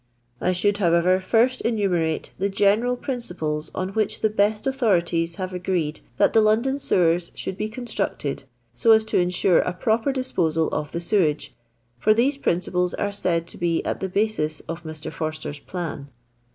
I should, however, first enumerate the general principles on which the best authorities have agreed that the London sewers should be con structed so as to ensure a proper disposal of the sewage, for these principles are said to be at the basis of Mr. Forster*s plan.